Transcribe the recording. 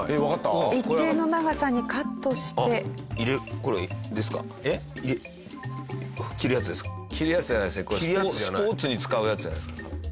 これスポーツに使うやつじゃないですか多分。